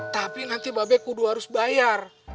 tapi nanti ba be kudu harus bayar